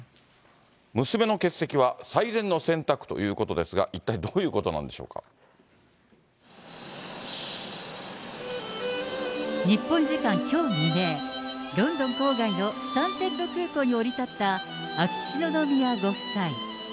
娘の欠席は最善の選択ということですが、一体どういうことなんで日本時間きょう未明、ロンドン郊外のスタンテッド空港に降り立った秋篠宮ご夫妻。